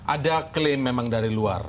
ada klaim memang dari luar